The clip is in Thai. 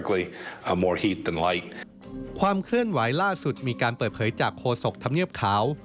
ความเคลื่อนไหวล่าสุดมีการเปิดเผยจากโฆษกธรรมเนียบขาว